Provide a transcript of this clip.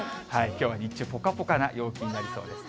きょうは日中、ぽかぽかな陽気になりそうです。